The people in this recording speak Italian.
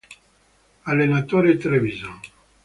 Allenatore Trevisan.